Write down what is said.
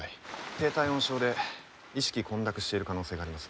低体温症で意識混濁している可能性があります。